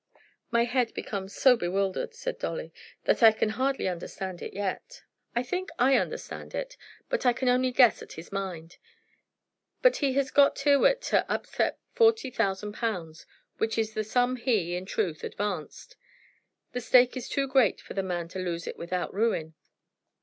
"My head becomes so bewildered," said Dolly, "that I can hardly understand it yet." "I think I understand it; but I can only guess at his mind. But he has got Tyrrwhit to accept forty thousand pounds, which is the sum he, in truth, advanced. The stake is too great for the man to lose it without ruin.